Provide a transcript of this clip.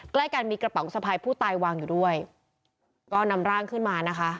ใกล้กันมีกระเป๋าสะพายผู้ตายวางอยู่ด้วยก็นำร่างขึ้นมานะคะ